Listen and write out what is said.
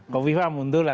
hovifah mundur lah